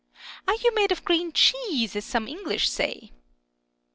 45 you made of green cheese, as some English say